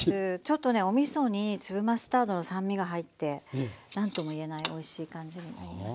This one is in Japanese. ちょっとねおみそに粒マスタードの酸味が入って何ともいえないおいしい感じになります。